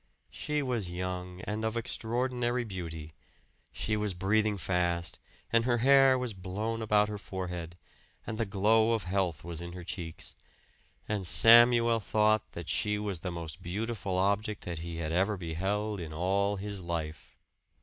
She was young and of extraordinary beauty. She was breathing fast, and her hair was blown about her forehead, and the glow of health was in her cheeks; and Samuel thought that she was the most beautiful object that he had ever beheld in all his life.